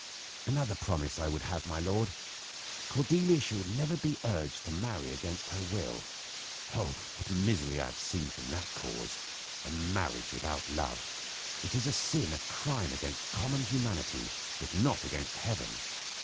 "Another promise I would have, my lord; Cordelia shall never be urged to marry against her will. Oh! what misery have I seen from that cause! A marriage without love! It is a sin a crime against common humanity, if not against heaven!